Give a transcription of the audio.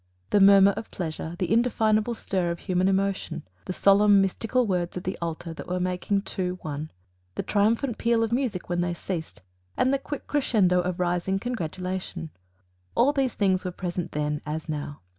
The murmur of pleasure, the indefinable stir of human emotion, the solemn mystical words at the altar that were making two one, the triumphant peal of music when they ceased, and the quick crescendo of rising congratulation all these things were present then, as now.